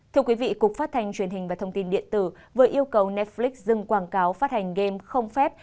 thưa quý vị cục phát thanh truyền hình và thông tin điện tử vừa yêu cầu netflix dừng quảng cáo phát hành game không phép